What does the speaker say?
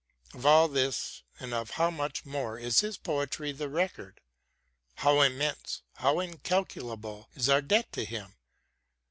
Of all this and of how much more is his poetry the record. How immense, how incalculable is our debt to him